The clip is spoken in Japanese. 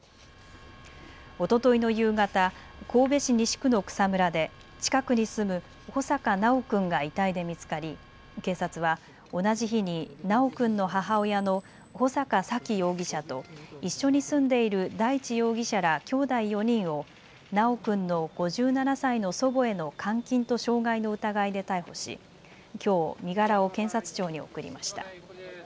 おとといの夕方、神戸市西区の草むらで近くに住む穂坂修君が遺体で見つかり、警察は同じ日に修君の母親の穂坂沙喜容疑者と一緒に住んでいる大地容疑者らきょうだい４人を修君の５７歳の祖母への監禁と傷害の疑いで逮捕しきょう身柄を検察庁に送りました。